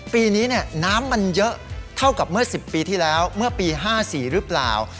ปีนี้น้ำมันเยอะเท่ากับเมื่อ๑๐ปีที่แล้วเมื่อปี๕๔หรือเปล่า